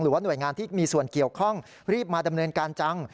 หรือว่าหน่วยงานที่มีส่วนเกี่ยวข้องรีบมาดำเนินการจัง